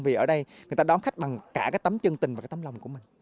vì ở đây người ta đón khách bằng cả cái tấm chân tình và cái tấm lòng của mình